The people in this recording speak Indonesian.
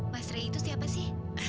mas rey itu siapa sih